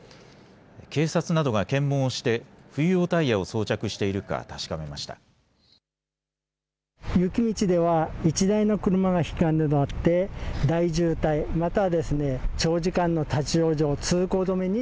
警察などが検問をして冬用タイヤを装着しているか確かめました。